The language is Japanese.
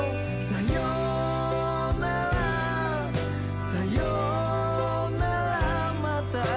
さようなら